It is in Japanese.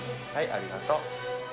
ありがとう。